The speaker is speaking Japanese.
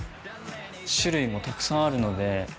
種類もたくさんあるので。